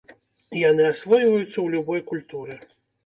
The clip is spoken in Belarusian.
Яны асвойваюцца ў любой культуры.